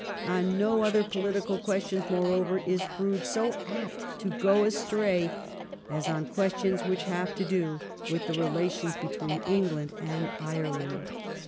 On no other pohtical questions, moreover, is Froude so apt to go astray as on questions which have to do with the relations between England and Ireland.